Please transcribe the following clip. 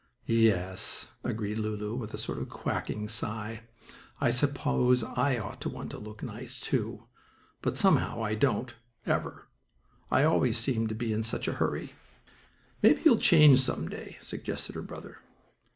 "Yes," agreed Lulu, with a sort of quacking sigh, "I suppose I ought to want to look nice, too; but, somehow I don't ever. I always seem to be in such a hurry." "Maybe you'll change, some day," suggested her brother.